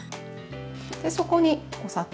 でそこにお砂糖。